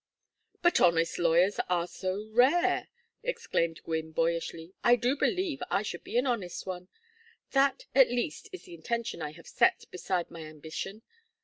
"But honest lawyers are so rare!" exclaimed Gwynne, boyishly. "I do believe I should be an honest one. That, at least, is the intention I have set beside my ambition.